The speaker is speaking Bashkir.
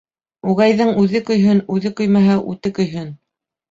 Үгәйҙең үҙе көйһөн, үҙе көймәһә, үте көйһөн.